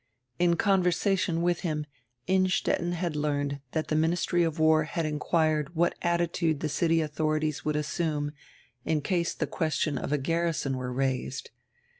In conversation with him Innstetten had learned diat die ministry of war had inquired what attitude die city audiorities would assume in case die ques tion of a garrison were raised.